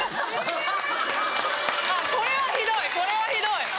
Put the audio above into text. これはひどいこれはひどい。